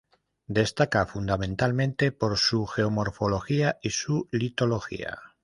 Destaca fundamentalmente por su geomorfología y su litología.